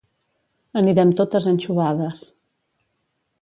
Anirem totes anxovades